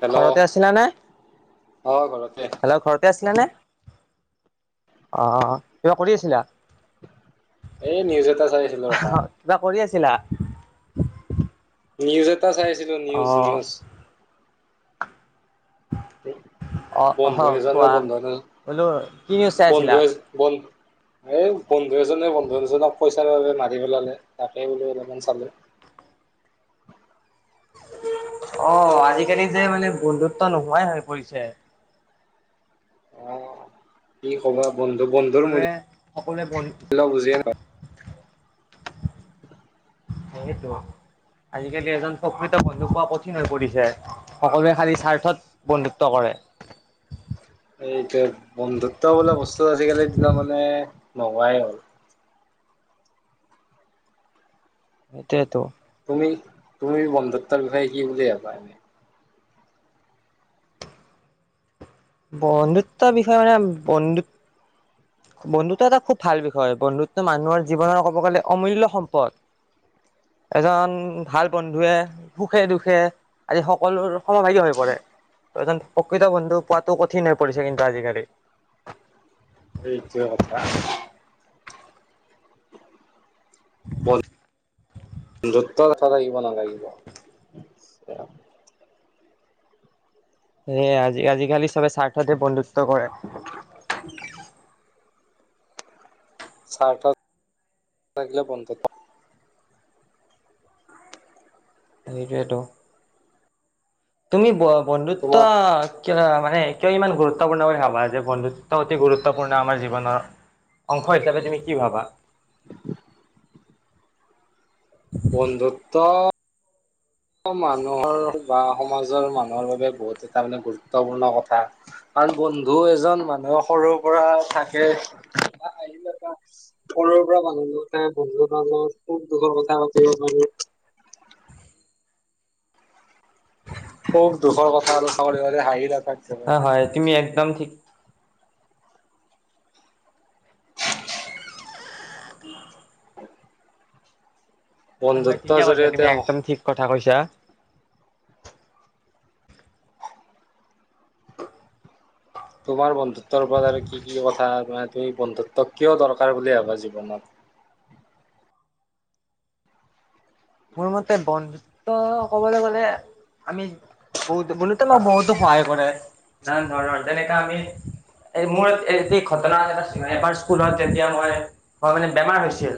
Hello ঘৰতে আছিলা নে অ ঘৰতে হেল্ল' ঘৰতে আছিলা নে অ কিবা কৰি আছিলা এই নিউজ এটা চাইছিলো ৰখা চিলা নিউজত এটা চাইছিলো নিউজ নিউজ অ অহ বন্ধু এজনে কোৱা বন্ধু এ বোলো কি নিউজ চাই বন্ধু আছিলা এ বন এই বন্ধু এজনে বন্ধু এজনক পইচা মাৰি পেলালে তাকে বোলো অলপমান চালো অ আজিকালি যে মানে বন্ধুত্ব নোহোৱাই হৈ পৰিছে অ কি খবৰ বন্ধু বন্ধুৰ সকলোৱে সকলোৱে বন্ধু মূল্য বুজিয়ে নহ [unintelligible] [inaudible] সেই আজিকালি এজন প্ৰকৃত বন্ধু পোৱা কঠিন হৈ পৰিছে সকলোৱে খালী স্বাৰ্থত বন্ধুত্ব কৰে [unintelligible] নাপায় এইটো বন্ধুত্ব বোলা বস্তু আজিকালিৰ দিনা মানে নোহোৱাই হল [unintelligible] সেইটোৱেতো। তুমি বন্ধুত্বৰ বিষয়ে কি বুলি ভাবা। বন্ধুত্বৰ বিষয়ে মানে বন্ধুত বন্ধুত্ব এটা খুব ভাল বিষয়, বন্ধুত্ব মানুহৰ জীৱনৰ ক'ব গ'লে অমূল্য সম্পদ। এজন ভাল বন্ধুৱে সুখে দুখে আদি সকলোৰ সমভাগী হৈ পৰে, এজন প্ৰকৃত বন্ধু পোৱাটো কঠিন হৈ পৰিছে কিন্তু আজিকালি। এইটোৱে কথা। [unintelligible] কথা লাগিব নালাগিব, [unintelligible] সেই আজি আজিকালি চবে স্বাৰ্থতে বন্ধুত্ব কৰে। [inaudible] স্বাৰ্থ থাকিলে বন্ধু এইটোৱেটো। তুমি ব বন্ধুত্ব তোমাৰ কিবা মানে কিয় ইমান গুৰুত্বপূৰ্ণ বুলি ভাবা যে বন্ধুত্ব অতি গুৰুত্বপূৰ্ণ আমাৰ জীৱনৰ অংশ হিচাপে তুমি কি ভাবা। বন্ধুত্ব মানুহৰ বা সমাজৰ মানুহৰ বাবে বহুত এটা মানে গুৰুত্বপূৰ্ণ কথা, কাৰণ বন্ধু এজন মানুহৰ সৰুৰ পৰা থাকে, সৰুৰ পৰা মানুহ লগতে বন্ধুৰ লগত সুখ দুখৰ কথা পাতিব পাৰো। সুখ দুখৰ কথা আৰু চাবলে গ'লে হাঁহি ঠাট্টা কৰিব হয় পাৰি। হয় তুমি এক কদম ঠিক হয় হয় বন্ধুত্বৰ ঠিকে কৈছা জৰিয়তে তুমি একদম ঠিক কথা কৈছা [unintelligible] তোমাৰ বন্ধুত্বৰ ওপৰত আৰু কি-কি কথা আৰু তুমি বন্ধুত্ব কিয় দৰকাৰ বুলি ভাবা জীৱনত। মোৰ মতে বন্ধুত্ব ক'বলৈ গ'লে আমি বহুত বুলিটো নকও যে সহায় কৰে নানান ধৰণৰ যেনেকা আমি মোৰ এই ঘটনা এটা এবাৰ স্কুলত যেতিয়া মই মানে বেমাৰ হৈছিল,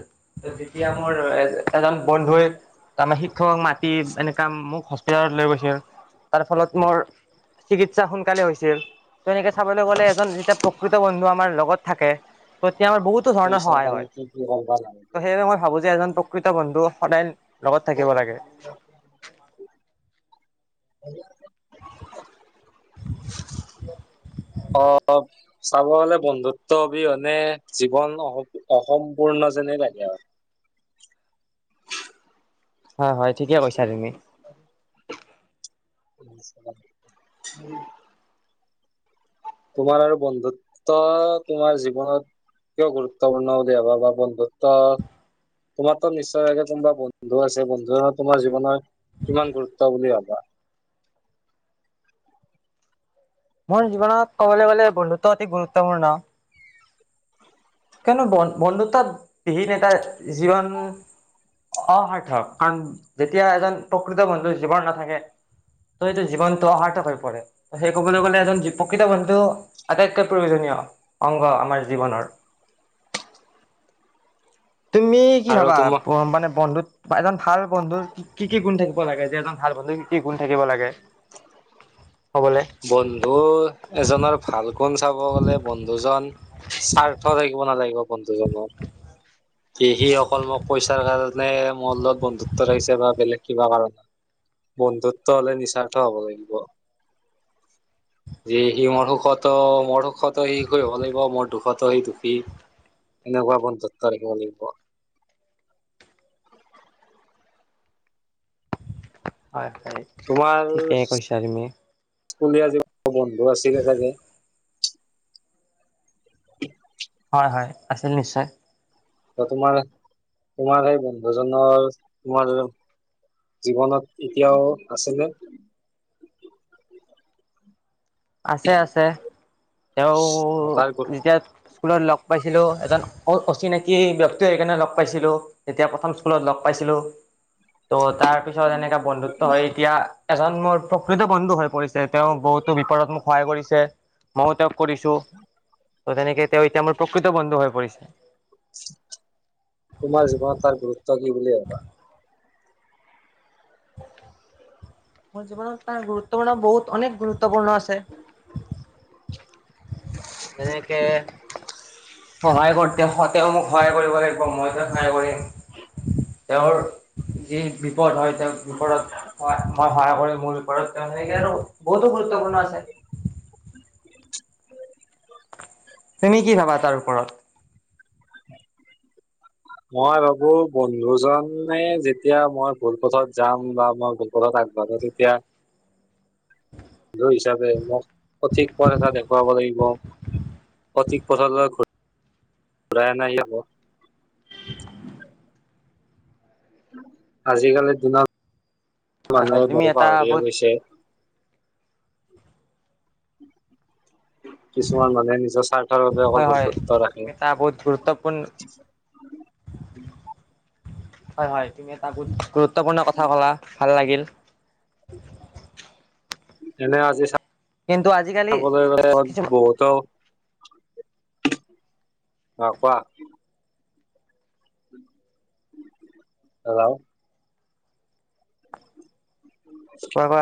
তেতিয়া মোৰ এ এজন বন্ধুৱে তাৰমানে শিক্ষকক মাতি এনেকা মোক হস্পিতালত লৈ গৈছিল, তাৰ ফলত মোৰ চিকিৎসা সোনকালে হৈছিল এনেকে চাবলৈ গ'লে এজন যেতিয়া প্ৰকৃত বন্ধু আমাৰ লগত থাকে তেতিয়া আমাৰ বহুতো ধৰণৰ পইচাৰ সহায় হয় কাৰণে কি কি কৰিব নালাগে? ত' সেইবাবে মই ভাবো যে এজন প্ৰকৃত বন্ধু সদায় লগত থাকিব লাগে। [inaudible] অ' চাব গলে বন্ধুত্ব অবিহনে জীৱন অসম্পূৰ্ণ যেনেই লাগে আৰু। হয়- হয় ঠিকে কৈছা তুমি। তোমাৰ আৰু বন্ধুত্ব তোমাৰ জীৱনত কিয় গুৰুত্বপূৰ্ণ বুলি ভাবা বা বন্ধুত্ব তোমাৰটো নিশ্চয়ে কোনোবা বন্ধু আছে, বন্ধু তোমাৰ জীৱনৰ কিমান গুৰুত্ব বুলি ভাবা। মোৰ জীৱনত ক'বলৈ গ'লে বন্ধুত্ব অতি গুৰুত্বপূৰ্ণ। কিয়নো বন্ধুত্ব বিহীন এটা জীৱন অসাৰ্থক, কাৰণ যেতিয়া এজন প্ৰকৃত বন্ধু জীৱন নাথাকে ত সেইটো জীৱনটো অসাৰ্থক হৈ পৰে। ত' সেই কবলৈ গ'লে এজন প্ৰকৃত বন্ধু আটাইতকৈ প্ৰয়োজনীয় অংগ আমাৰ জীৱনৰ। তুমি কি আৰু ভাবা তোমাক মানে বন্ধুত এজন ভাল বন্ধুৰ কি- কি গুণ থাকিব লাগে, যে এজন ভাল বন্ধু কি গুণ থাকিব লাগে। হ'বলে বন্ধু এজনৰ ভাল গুণ চাব গ'লে বন্ধুজন স্বাৰ্থ থাকিব নালাগিব। বন্ধুজনৰ সি সি অকল মোক পইচাৰ কাৰণে মলত বন্ধুত্ব ৰা আহিছে বা বেলেগ কিবা কাৰণত বন্ধুত্ব হলে নিস্বাৰ্থ হব লাগিব যে সি মোৰ সুখতো মোৰ সুখতো সিখ হব লাগিব মোৰ দুখতো সি দুখী এনেকুৱা বন্ধুত্ব ৰাখিব লাগিব হয় হয় ঠিকেই কৈছা তুমি উলিয় য বন্ধু আছিলে চাগে [inaudible] হয় হয় আছিল নিশ্চয়। ত তোমাৰ তোমাৰ সেই বন্ধুজনৰ তোমাৰ জীৱনত এতিয়াও আছেনে। আছে আছে তেওঁ তাৰ যেতিয়া স্কুলত লগ পাইছিলোঁ এজন অ অচিনাকি ব্যক্তিয়ে সেইকাৰণে লগ পাইছিলোঁ তেতিয়া প্ৰথম স্কুলত লগ পাইছিলোঁ ত'- তাৰ পিছত এনেককাা বন্ধুত্ব হয় এতিয়া। এজন মোৰ প্ৰকৃত বন্ধু হয়,। পৰিছে তেওঁ বহুতো- ওপৰত মোক সহায় কৰিছে মইো তেওঁক কৰিছো ত তেনেকে তেওঁ এতিয়া মোৰ প্ৰকৃত বন্ধ হৈ পৰিছে তোমাৰ জীৱনত তাৰ গুৰুত্ব কি বুলি ভাবিবা? মোৰ জীৱনত তাৰ গুৰুত্বপূৰ্ণ বহুত অনেক গুৰুত্বপূৰ্ণ আছে। যেনেকে, সহায়কৰ তেওঁ সহা তেওঁ মোক সহায় কৰিব লাগিব মই তেওঁক সহায় কৰিম। তেওঁৰ যি বিপদ হয় তেওঁ বিপদত মই সহায় কৰি মোৰ বিপদৰত তেওঁ সেকে আৰু বহুতো গুৰুত্বপূৰ্ণ আছে। [unintelligible] তুমি কি ভাবা তাৰ ওপৰত? মই ভাবো বন্ধুজনে যেতিয়া মই ভুলপথত যাম বা মই ভুলপথত আগবাঢ়ো তেতিয়া বন্ধু হিচাপে মোক, সঠিক পথ এটা দেখুৱাব লাগিব। সঠিক পথৰলৈ ঘূ [inaudible] ঘূৰাই আনাই হ'ব। আজিকালি দিনত হয় মান হয় তুমি বহু এটা পাৱ বহুত পছে কিছুমান মানুহে নিজৰ স্বাৰ্থৰ বাবে অকল হয় হয় বন্ধুত্ব ৰাখে তুমি এটা বহুত গুৰুত্বপূৰ্ণ হয়, হয় তুমি এটা বহুত গুৰুত্বপূৰ্ণ কথা ক'লা, ভাল লাগিল এনে আজি চা কিন্তু আজিকালি আপ কিছুমান বহুতও [unintelligible] অ কোৱা। হেল্ল' কোৱা কোৱা।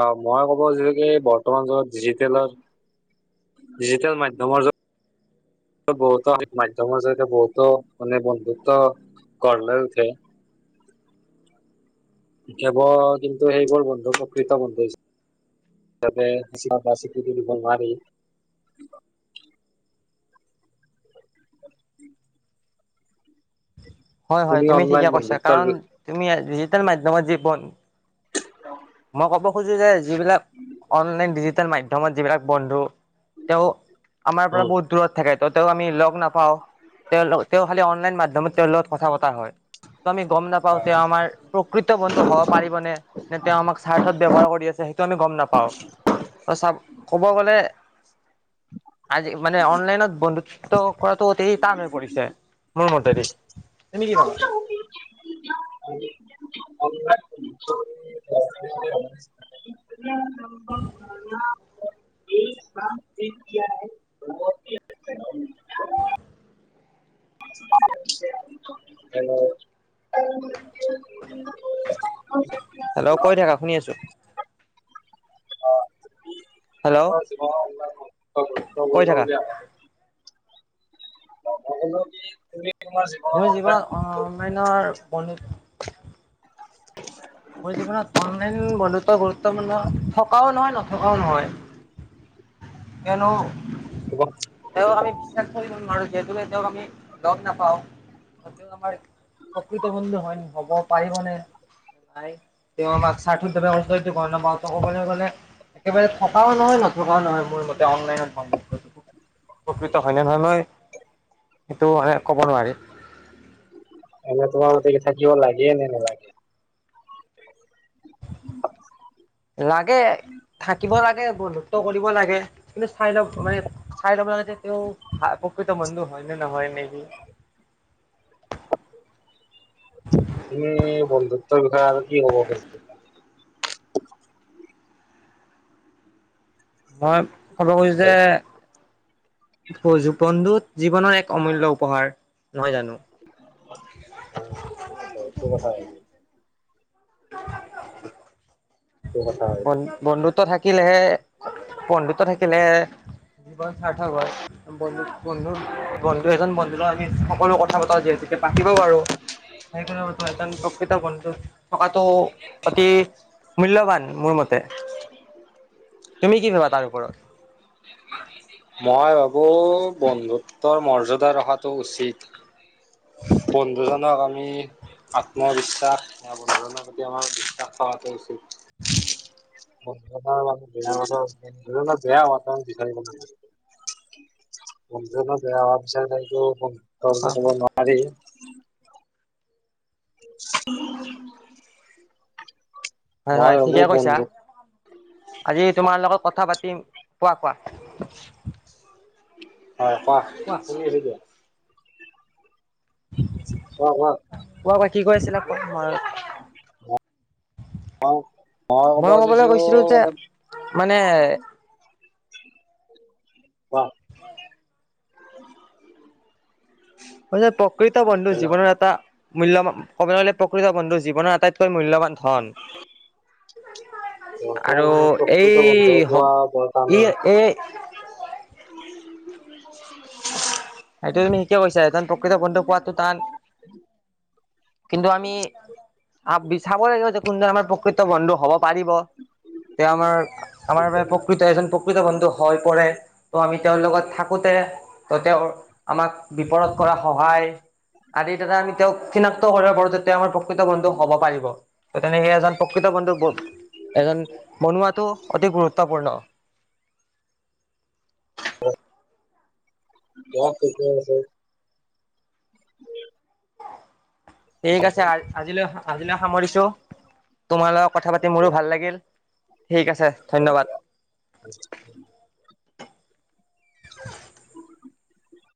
অ মই ক'ব যিক বৰ্তমান যত ডিজিটেলৰ ডিজিটেল মাধ্য়মৰ বহুতো মাধ্য়মৰ জৰিতে বহুতো মানে বন্ধুত্ব গঢ় লৈ উঠে। কেৱল কিন্তু সেইবোৰ বন্ধু প্ৰকৃত বন্ধু হিচা [inaudible] চাপে স্বীকৃতি দিব নোৱাৰি। [unintelligible] হয়, হয় তুমি অনলাইন ঠিকে কৈছা বন্ধুত্বৰ কাৰণ, বিষয়ে তুমি [unintelligible] মাধ্যমত যি পদ মই ক'ব খোজো যে যিবিলাক অনলাইন ডিজিটেল মাধ্য়মত যিবিলাক বন্ধু তেওঁ, আমাৰ পৰা উম বহুত দূৰত থাকে। ত' তেওঁক আমি লগ নাপ পাওঁ তেওঁ তেওঁ খালি লাইন মাধ্যমত তেওঁৰ লগত কথা পতা হয়। ত আমি গম নাপাও তেওঁ আমাৰ প্ৰকৃত বন্ধু হ'ব পাৰিব নে নে? তেওঁ আমাক স্বাৰ্থত ব্যৱহাৰ কৰি আছে সেইটো আমি গম নাপাওঁ। আউ চাব ক'ব গ'লে, আজি মানে অনলাইনত বন্ধুত্ব কৰাটো তেই টান হৈ পৰিছে। মোৰ ম ত [unintelligible] এক পাত এক কিয়। [inaudible] হ! হেল্ল' কৈ থাকা শুনি আছো। হেল্ল' প্ৰব কৈ থাকা ন [unintelligible] জীৱনৰ মই যিবা সংবাদ অহনলাইনৰ বন্ধু [unintelligible] বৰ্তমানে থকাও নহয় নথকাও নহয় কিয়নো তেওঁ আমি বিশ্বাস কৰি মানু যেইটো তেওঁক আমি লগ নাপাওঁ তেওঁ আমাৰ প্ৰকৃত বন্ধু হয় হ'ব পাৰিবনে। তেওঁ আমাক চ্থ নাপাওঁ কবলৈ গলে একেবাৰে থকাও নহয় নথকাও নহয় মোৰ মতে অনলন বন্ধকৃত হয় ন নহয় মই সেইটো মানে কব নোৱাৰি। এনে তোমাৰ মতে কি থাকিব লাগে নে নেলাগে? লাগে থাকিব লাগে বন্ধুত্ব কৰিব লাগে কিন্তু চাই ল মানে চাই ল'ব লাগে তেওঁ ভাল প্ৰকৃত বন্ধু হয়নে নহয় নেকি? উম বন ত আৰু কি হব ব। ন ক'ব খুজিছো যে, খুজিছা? [unintelligible] জীৱনৰ এক অমূল্য উপহাৰ। নহয় জানো [unintelligible] নিশ্চয় এইটো কথা আহিব। এইটো কথা [unintelligible] আহিলে ন্ বন্ধুত্ব থাকে থাকিলেহে, বন্ধুত্ব থাকিলেহে জীৱন সাৰ্থক হয়। বন্ধু, বন্ধু, বন্ধু এজন বন্ধু লগ আমি থা কলো কথা পতাও যিহেতু পাতিব পাৰো সেইকাৰণো এজন প্ৰকৃত বন্ধু [unintelligible] তো পাতি [unintelligible] মোৰ মতে। তুমি কি ভাবা তাৰ ওপৰত? মই ভাবো বন্ধুত্বৰ মৰ্যদা ৰখাটো উচিত। বন্ধুজনক আমি আত্মবিশ্বাস বা বন্ধুজনৰ প্ৰতি আমাৰ বিশ্বাস থকাটো উচিত। গেয়াতণ বিখাই অ [unintelligible] ব নোৱাৰি উম [unintelligible] হয় হয় মই ভাবো ঠিকে কৈছা বন্ধু আজি তোমাৰ লগত কথা পাতিম কোৱা, কোৱা। হয় কোৱা শুনি আছো দিয়া আহ অ কোৱা কোৱা কি কৰি আছিল আকৌ ময় মই মই ক'ব কবলৈ খুজিছো গৈছিলো যে মানে মানে? অ। ম প্ৰকৃত বন্ধু জীৱনৰ এটা মূল্্যবান ক'ব গ'লে প্ৰকৃত বন্ধু জৱনৰ আটাইতকৈ মূল্যবান। ধন বৰ্তমান আৰু সময়ত প্ৰকৃত বন্ধু এই, হ, পোৱা বৰ ই, টানেই এই [inaudible] সটো তুমি শিকে কৈছা স প্ৰকৃত বন্ধু পোৱটো তান। কিন্তু আমি চাব লাগিব যে কোনজন আমাৰ প্ৰকৃত বন্ধু হব পাৰিব, তেওঁ আমাৰ? আমাৰ প্ৰকৃত এজন প্ৰকৃত বন্ধু হৈ পৰে ত' আমি তেওঁৰ লগত থাকোতে ত' তেওঁৰ? আমাক বিপদত কৰা সহায় আদিৰ দা আমি তেওঁক চিনাক্ত কৰিব পাৰো যে তেওঁ আমাৰ প্ৰকৃত বন্ধু হব পাৰিব। তেনে সেই এজন প্ৰকৃত বন্ধু এজন বনোৱাাতটো অতি গুৰুত্বপূৰ্ণ। ক পিকনিছে ঠিক আছে আজিলৈ আজিলৈ সামৰিছো তোমাৰ লগত কথা পাতি দিয়া মোৰো ভাল লাগিল ঠিক আছে দিয়া ধন্যবাদ। দিয়া [inaudible]